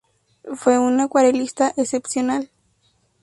Fue un acuarelista excepcional.